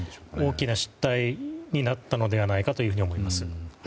大きな失態になったのではないかと思います。